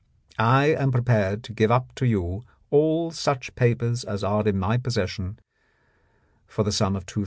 I am prepared to give up to you all such papers as are in my possession for the sum of ,£2,000.